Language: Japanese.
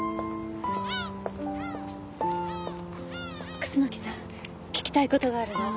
楠木さん聞きたい事があるの。